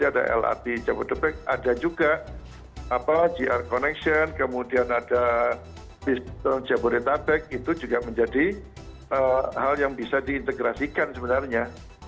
kemudian ada lrt jabodetabek ada juga apa jr connection kemudian ada jabodetabek itu juga menjadi hal yang bisa diintegrasikan sebenarnya